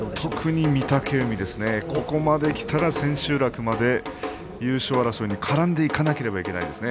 御嶽海、ここまできたら千秋楽の優勝争いに絡んでいかなければいけないですね。